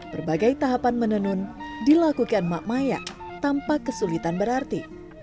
berbagai tahapan menenun dilakukan mak maya tanpa kesulitan berarti